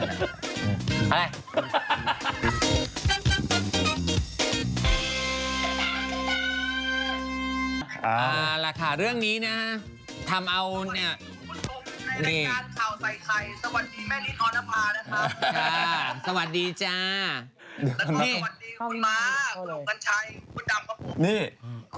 อ่าละค่ะเรื่องนี้นะฮะทำเอาเนี่ย